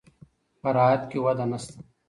په راحت کې وده نشته.